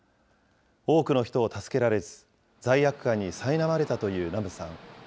多くの人を助けられず、罪悪感にさいなまれたというナムさん。